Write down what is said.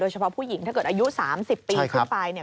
โดยเฉพาะผู้หญิงถ้าเกิดอายุ๓๐ปีขึ้นไป